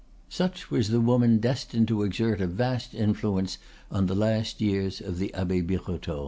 Such was the woman destined to exert a vast influence on the last years of the Abbe Birotteau.